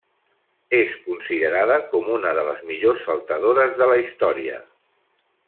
És considerada com una de les millors saltadores de la història.